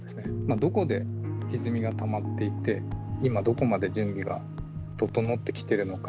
どこでひずみがたまっていて今どこまで準備が整ってきてるのか。